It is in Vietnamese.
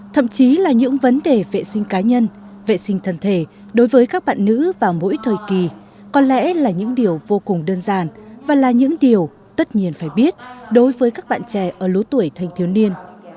thậm chí là những vấn đề vệ sinh cá nhân vệ sinh thân thể đối với các bạn nữ vào mỗi thời kỳ có lẽ là những điều vô cùng đơn giản và là những điều tất nhiên phải biết đối với các bạn trẻ ở lứa tuổi thanh thiếu niên